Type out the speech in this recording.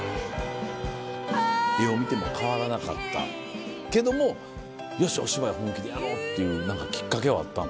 絵を見ても変わらなかったけども「よしお芝居を本気でやろう」っていう何かきっかけはあったの？